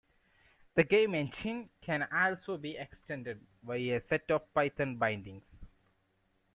The game engine can also be extended via a set of Python bindings.